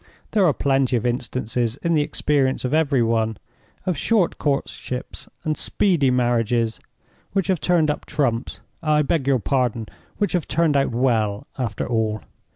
There are plenty of instances in the experience of every one, of short courtships and speedy marriages, which have turned up trumps—I beg your pardon—which have turned out well after all.